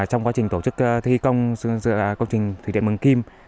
trong quá trình tổ chức thi công dựa công trình thủy đệ mường kim hai